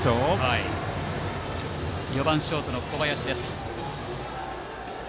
バッター４番ショートの小林です。